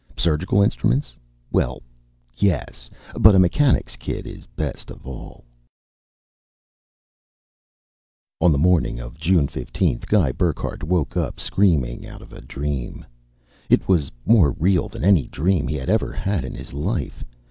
Surgical instruments? Well, yes but a mechanic's kit is best of all! Illustrated by EMSH On the morning of June 15th, Guy Burckhardt woke up screaming out of a dream. It was more real than any dream he had ever had in his life.